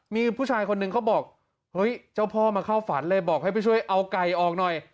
มีผู้ชายคนหนึ่งเขาบอกเฮ้ยเจ้าพ่อมาเข้าฝันเลยบอกให้ไปช่วยเอาไก่ออกหน่อย